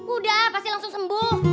udah pasti langsung sembuh